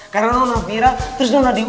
karena nona viral terus nona diunek